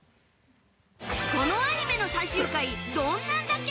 このアニメの最終回どんなんだっけ？